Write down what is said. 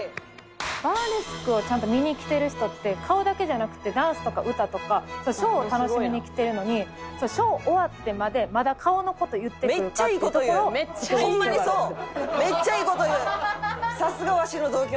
バーレスクをちゃんと見に来てる人って顔だけじゃなくてダンスとか歌とかショーを楽しみに来てるのにショー終わってまでまだ顔の事言ってくるかっていうところを突く必要があるんですよ。